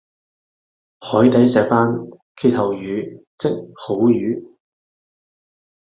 海底石班謁後語即好瘀